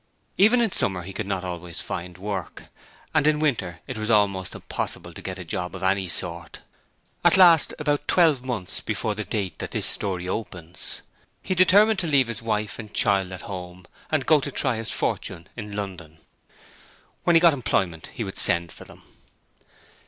Even in summer he could not always find work: and in winter it was almost impossible to get a job of any sort. At last, about twelve months before the date that this story opens, he determined to leave his wife and child at home and go to try his fortune in London. When he got employment he would send for them.